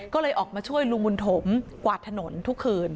ก็เลยออกมาช่วยลุงบุญถมกวาดถนนทุกคืน